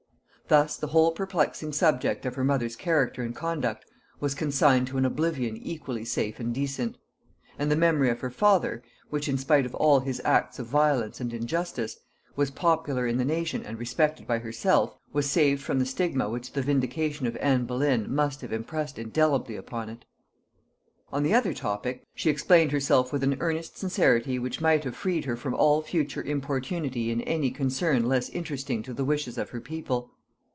Thus the whole perplexing subject of her mother's character and conduct was consigned to an oblivion equally safe and decent; and the memory of her father, which, in spite of all his acts of violence and injustice, was popular in the nation and respected by herself, was saved from the stigma which the vindication of Anne Boleyn must have impressed indelibly upon it. On the other topic she explained herself with an earnest sincerity which might have freed her from all further importunity in any concern less interesting to the wishes of her people.